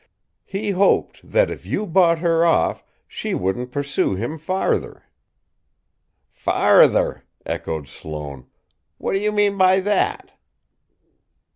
He hoped that, if you bought her off, she wouldn't pursue him farther." "Farther!" echoed Sloane. "What do you mean by that?"